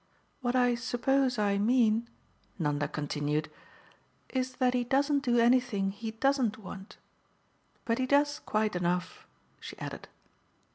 What I suppose I mean," Nanda continued, "is that he doesn't do anything he doesn't want. But he does quite enough," she added.